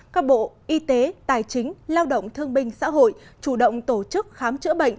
các bộ y tế tài chính lao động thương binh xã hội chủ động tổ chức khám chữa bệnh